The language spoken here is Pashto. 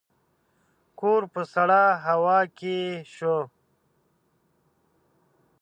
کور په سړه هوا کې شو.